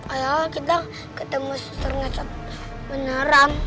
ayolah kita ketemu setengah cat menerang